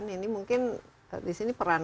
ini mungkin di sini peran